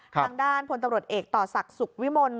ข้างด้านพตเอกต่อศักดิ์สุขวิมล